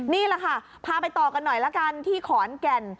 นี่แหละค่ะพาไปต่อกันหน่อยละกันที่ขอนแก่น